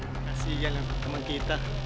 kasian ya emang kita